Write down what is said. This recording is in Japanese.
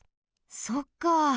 そっか。